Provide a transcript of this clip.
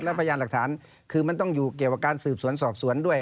และพยานหลักฐานคือมันต้องอยู่เกี่ยวกับการสืบสวนสอบสวนด้วย